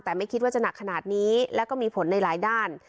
แต่ไม่คิดว่าจะหนักขนาดนี้แล้วก็มีผลในหลายด้าน